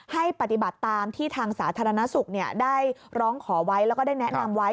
ให้ปฏิบัติตามที่ทางสาธารณสุขได้ร้องขอไว้แล้วก็ได้แนะนำไว้